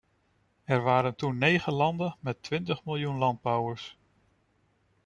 Er waren toen negen landen met twintig miljoen landbouwers.